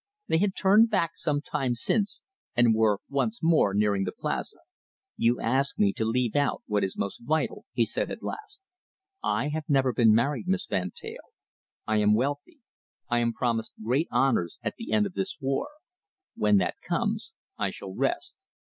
They had turned back some time since, and were once more nearing the Plaza. "You ask me to leave out what is most vital," he said at last. "I have never been married, Miss Van Teyl. I am wealthy. I am promised great honours at the end of this war. When that comes, I shall rest.